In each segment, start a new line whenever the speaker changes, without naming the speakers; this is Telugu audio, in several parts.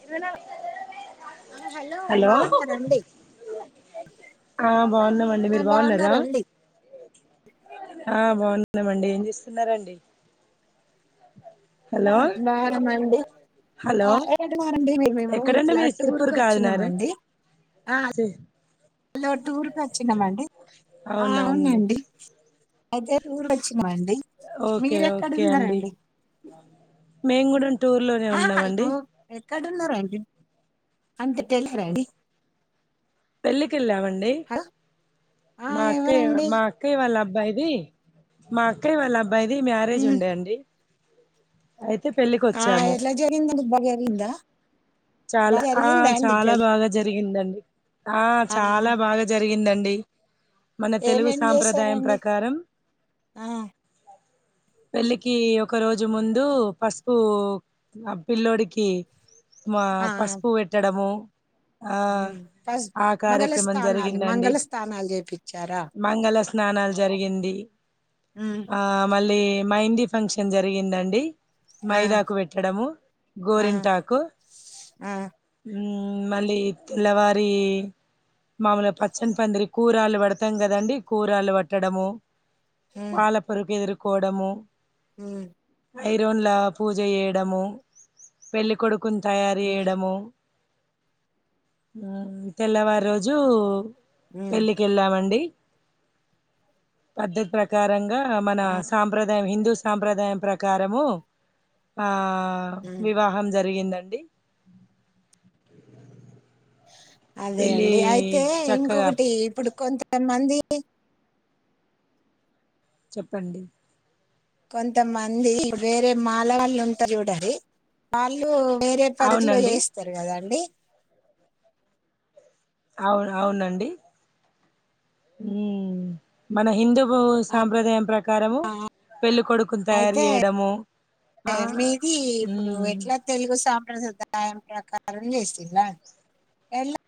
ఇరవై నాలుగు [unintelligible]
ఆ హలో బాగున్నారండి
ఆ బాగున్నామండి
ఆ
మీరు బాగున్నరా
బాగున్నారండి
ఆ బాగున్నా బాగున్నామండి ఏం చేస్తున్నరండి
ఆ బాగున్నామండీ
హలో
ఆ ఎక్కడున్నారండీ మేము
ఎక్కడండి
ఇట్లా
మీరు సిరిపూర్
టూర్కు వచ్చినమ
కాదినారు
అండి
సి
హలో టూర్ కి వచ్చినామండి ఆ
అవునా అండి
అవునండి అయితే టూర్ వచ్చి అండి
ఓకే
మీర ఎక్కడ
ఓకే అండి
ఉన్నారండి
మేము కూడా టూర్ లోనే ఉన్నామండి
ఎక్కడున్నారండీ [unintelligible] అండీ
పెళ్ళికిెళ్ళామండి
హలో ఆ
మా అక్కయ
ఎవరండి
మా అక్కయ వాళ్ళబ్బా అబ్బాయిది మా అక్కయి వాళ్ళ అబ్బాయిది మ్యారేజ్
ఉమ్,
ఉండే అండి అయితే అయితే
ఆ
పెళ్లికోచ్చాము
ఎట్లా జరిగిందండి బాగా జరిగిందా
చాలా
బాగా
ఆ
జరిగిందా అండి
చాలా
పెళ్లి
బాగా జరిగింది జరిగిందండి ఆ చాలా బాగా జరిగిందండి మన తెలుగు
ఏమేం
సాంప్రదాయం
చేశారండి
ప్రకారం
ఆ
పెళ్ళికి ఒక రోజు ముందు పసుపు ఆ పిల్లోడికి మా
ఆ
పసుపు పెట్టడము ఆ
ఉమ్, ఫస్ట్
ఆ
మంగళ
కార్యక్రమం
స్థానాలు
జరిగిందండి
మంగళ స్థానాలు చేపించారా
మంగళ స్నానం జరిగింది
ఉమ్,
ఆ మళ్ళీ మైందీ ఫంక్షన్ జరిగిందండి
ఆ
మైదాకు పెట్టడము
ఆ
గోరింటాకు
ఆ
ఉమ్ మళ్ళీ తెల్లవారి మామలుగా పచ్చని పందిరి కూరలు పడతాం కదండి కూరాలు పట్టడము పాలపుొరుకు ఎదు కోడము
ఉమ్
ఐరోన్ల పూజ చేయడము పెళ్ళికొడుకుని తయారు
హ్మ్
చేయడము ఆ తెల్లవారి రోజు
హ్మ్
పెళ్ళికి వెళ్ళామండి పద్ధతి ప్రకారంగా మన
ఆ
సాంప్రదాయం హిందూ సాంప్రదాయం ప్రకారము ఆ
హ్మ్
వివాహం జరిగింది డి
అదే అండి అయితే
చక్కగా
ఇంకొకటి ఇప్పుడు కొంతమంది
చెప్పండి
కొంతమంది వేరే మాల వాళ్ళు ఉంటారు చూడాలి వాళ్ళు వేరే పద్ధతిలో
అవునండి
చేస్తారు కదా అండి
అవును అవునండి హుమ్ మన హిందూ బ
ఆ
సాంప్రదాయం ప్రక ప్రకారము పెళ్ళ కొడుకును తయారు
అయితే
చేయడము ఆ
మీది ఇప్పుడు
ఉమ్,
ఎట్లా తెలుగు సాంప్రదాయం సాంప్రదాయ ప్రకారం చేసిరా ఎట్లా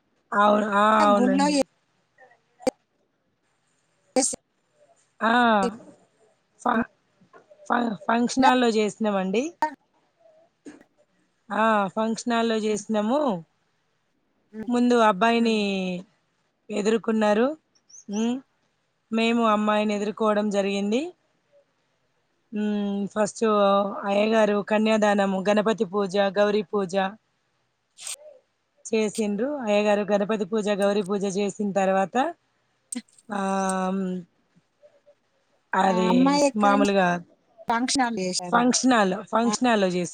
అవును ఆ అవునండి
ఎస్
ఆ ఫ ఫ ఫంక్షనాల్లో చేసినామండి ఆ ఫంక్షనాల్లో చేసినాము ముందు అబ్బాయిని ఎదుర్కున్నారు మేము అమ్మాయి ఎదుర్కోవడం జరిగింది ఉమ్ ఫస్ట్ అయ్యగారు కన్యాదానము గణపతి పూజ గౌరీ పూజ చేసిండ్రు అయ్యగారు గణపతి పూజ గౌరీ పూజ చేసిన తర్వాత ఆ
ఆ
అది
అమ్మాయి ఎక్కడని
మామూలుగా
ఫంక్షన్ హల్ చేసారా
ఫంక్షన్ హాల్ లో చెస్